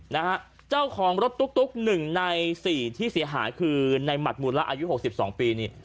นะฮะเจ้าของรถตุ๊กหนึ่งใน๔ที่เสียหายคือในหมัดหมูละอายุ๖๒ปีนี่